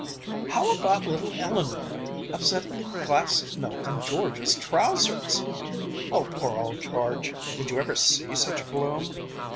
"How about little Eleanor upsetting the glass of milk on George's trousers!" "Oh poor old George! Did you ever see such gloom!"